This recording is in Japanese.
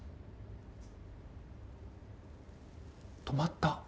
止まった。